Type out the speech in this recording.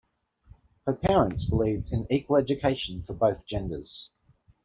Her parents believed in equal education for both genders.